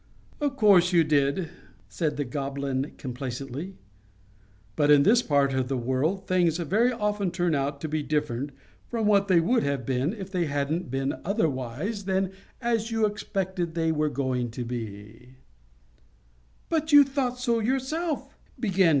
"Of course you did," said the Goblin, complacently; "but in this part of the world things very often turn out to be different from what they would have been if they hadn't been otherwise than as you expected they were going to be."